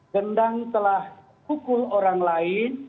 gendang telah pukul orang lain